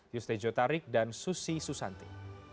yustejo tarik dan susi susanti